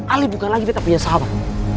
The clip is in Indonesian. ali bukan lagi kita punya sahabat